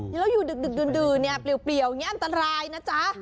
แล้วอยู่ดึกดื่นเปรี้ยวอันตรายนะจ๊ะ